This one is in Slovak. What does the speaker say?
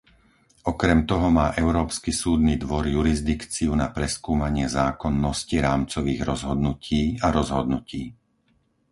Okrem toho má Európsky súdny dvor jurisdikciu na preskúmanie zákonnosti rámcových rozhodnutí a rozhodnutí.